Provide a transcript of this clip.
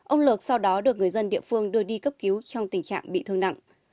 ông lược sau đó được người dân địa phương đưa đi cấp cứu trong tình trạng bị thương nặng